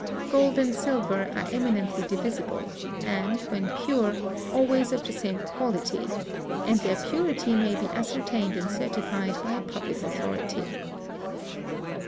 Gold and silver are eminently divisible, and, when pure, always of the same quality; and their purity may be ascertained and certified by a public authority.